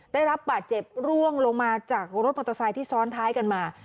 ได้รับบาดเจ็บร่วงลงมาจากรถมอเตอร์ไซค์ที่ซ้อนท้ายกันมา